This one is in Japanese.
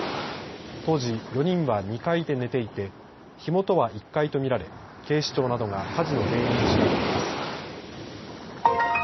当時４人は２階で寝ていて火元は１階と見られ警視庁などが火事の原因を調べています。